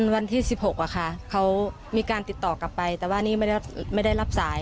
วันที่๑๖เขามีการติดต่อกลับไปแต่ว่านี่ไม่ได้รับสาย